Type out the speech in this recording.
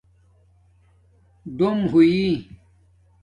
ڈوم ہوئئ